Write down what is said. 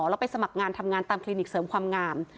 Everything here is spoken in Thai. แล้วไปสมัครงานทำงานตามคลินิกเสริมความงาม